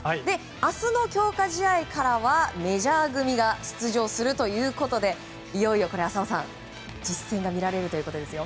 明日の強化試合からはメジャー組が出場するということでいよいよ、浅尾さん実践が見られますよ。